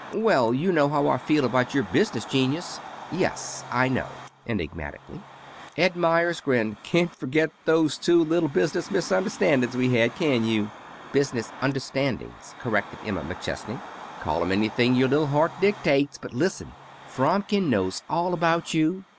"Well, you know how I feel about your business genius." "Yes, I know," enigmatically. Ed Meyers grinned. "Can't forget those two little business misunderstandings we had, can you?" "Business understandings," corrected Emma McChesney. "Call 'em anything your little heart dictates, but listen. Fromkin knows all about you.